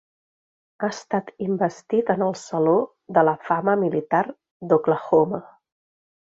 Ha estat investit en el Saló de la Fama militar d'Oklahoma.